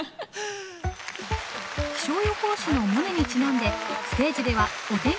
気象予報士のモネにちなんでステージではお天気